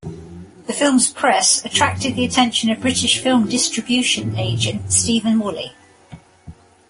The film's press attracted the attention of British film distribution agent Stephen Woolley.